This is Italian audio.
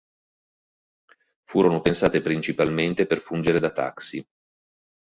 Furono pensate principalmente per fungere da taxi.